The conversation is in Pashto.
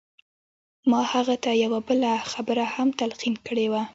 ما هغه ته يوه بله خبره هم تلقين کړې وه.